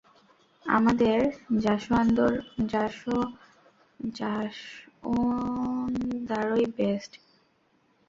আমাদের জাসয়োন্দারই বেস্ট।